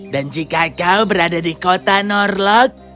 dan jika kau berada di kota norlok